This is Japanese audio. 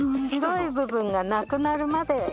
白い部分がなくなるまで。